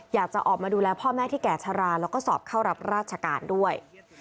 อยากจะออกมาดูแลพ่อแม่ที่แก่ชะลาแล้วก็สอบเข้ารับราชการด้วย